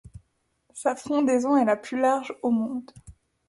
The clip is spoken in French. Sa frondaison est la plus large au monde.